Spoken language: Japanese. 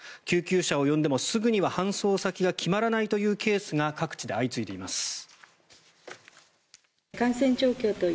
救急車を呼んでもすぐには搬送先が決まらないというケースが各地で相次いでいます。